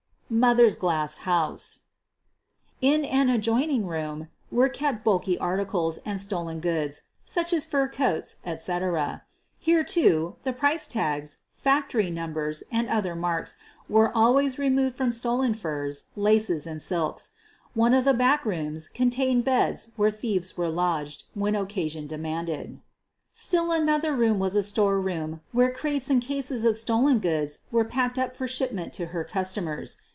"mother's" glass house In an adjoining room were kept bulky articles and stolen goods, such as fur coats, etc. Here, too, the price tags, factory numbers, and other marks were always removed from stolen furs, laces, and silks. One of the back rooms contained beds where thieves were lodged when occasion demanded. Still QUEEN OF THE BURGLARS 199 another room was a store room where crates and cases of stolen goods were packed up for shipment to her customers.